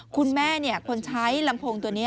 คุณแม่คนใช้ลำโพงตัวนี้